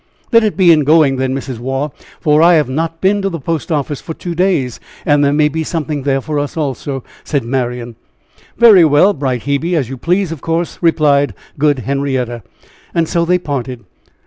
"Let it be in going, then, Mrs. Waugh, for I have not been to the post office for two days, and there may be something there for us also," said Marian. "Very well, bright Hebe; as you please, of course," replied good Henrietta. And so they parted.